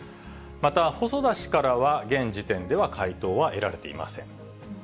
また細田氏からは、現時点では回答は得られていません。